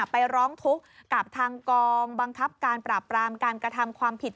ไปร้องทุกข์กับทางกองบังคับการปราบปรามการกระทำความผิด